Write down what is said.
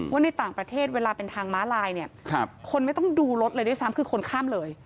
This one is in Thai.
ว่าในต่างประเทศเวลาเป็นทางม้าลายเนี่ยคนไม่ต้องดูรถเลยด้วยซ้ำคือคนข้ามเลย